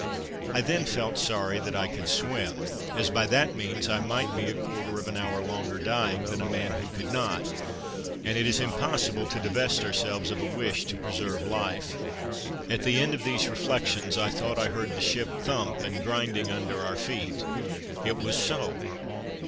I then felt sorry that I could swim, as by that means I might be a quarter of an hour longer dying than a man who could not, and it is impossible to divest ourselves of a wish to preserve life. At the end of these reflections I thought I heard the ship thump and grinding under our feet; it was so.